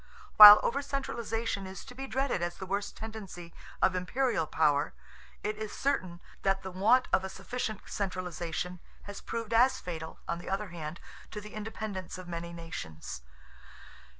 While over centralization is to be dreaded as the worst tendency of imperial power, it is certain that the want of a sufficient centralization has proved as fatal, on the other hand, to the independence of many nations.